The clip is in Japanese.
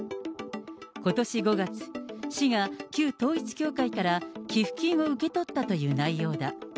ことし５月、市が旧統一教会から寄付金を受け取ったという内容だ。